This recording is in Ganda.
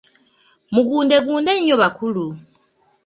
Mugundegunde nnyo bakulu!